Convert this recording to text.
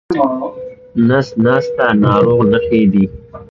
نس ناستي د ناروغۍ نښې دي.